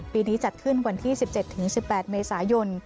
ปีนี้จัดขึ้นวันที่๑๗๑๘เมษายน